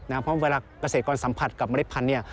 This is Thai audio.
เพราะเวลาเกษตรกรสัมผัสกับเมล็ดพันธุ์